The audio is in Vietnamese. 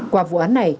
qua vụ án này